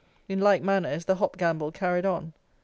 In like manner is the hop gamble carried on.